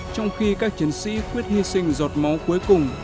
trong khi các chiến sĩ quyết hy sinh giọt máu cuối cùng